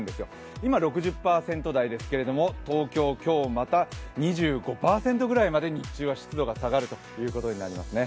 今、６０％台ですけれども、東京は今日また、２５％ぐらいまで日中は湿度が下がるということになりそうです。